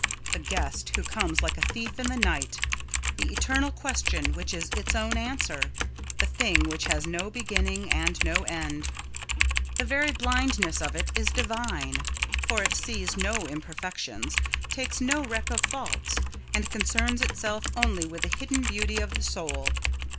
The guest who comes like a thief in the night! The eternal question which is its own answer, the thing which has no beginning and no end! The very blindness of it is divine, for it sees no imperfections, takes no reck of faults, and concerns itself only with the hidden beauty of the soul.